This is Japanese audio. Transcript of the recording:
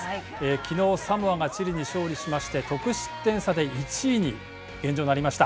きのうサモアがチリに勝利しまして、得失点差で、１位に、現状なりました。